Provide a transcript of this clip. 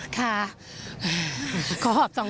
ค่ะขอขอบ๒ทีนะค่ะ